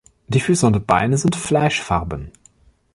Die Füße und Beine sind fleischfarben.